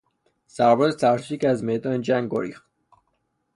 سرباز ترسویی که از میدان جنگ گریخت